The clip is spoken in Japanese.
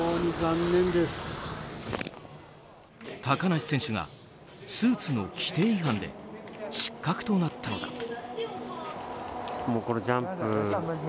高梨選手がスーツの規定違反で失格となったのだ。